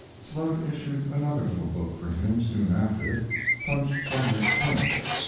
Slote issued another little book for him soon after Punch, Brothers, Punch!